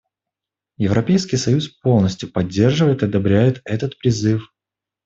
Европейский союз полностью поддерживает и одобряет этот призыв.